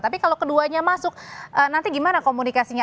tapi kalau keduanya masuk nanti gimana komunikasinya